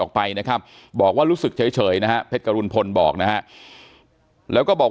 ออกไปนะครับบอกว่ารู้สึกเฉยนะฮะเพชรกรุณพลบอกนะฮะแล้วก็บอก